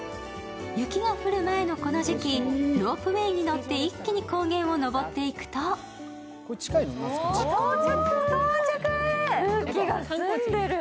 雪が降る前のこの時期、ロープウエーに乗って一気に高原を上っていくと空気が澄んでる。